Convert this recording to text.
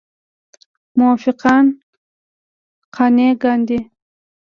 موافقان قانع کاندي.